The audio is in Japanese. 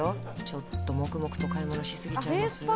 ちょっと黙々と買い物しすぎちゃいます？